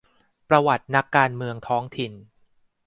ประวัตินักการเมืองท้องถิ่น